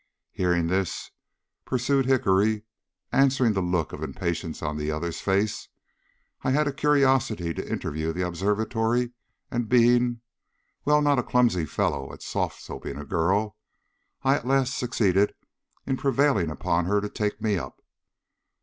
Hearing this," pursued Hickory, answering the look of impatience in the other's face, "I had a curiosity to interview the observatory, and being well, not a clumsy fellow at softsoaping a girl I at last succeeded in prevailing upon her to take me up.